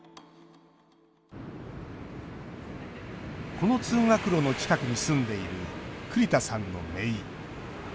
この通学路の近くに住んでいる栗田さんの、めい。